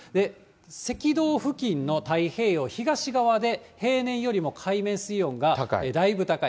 赤道付近の太平洋東側で、平年よりも海面水温がだいぶ高い。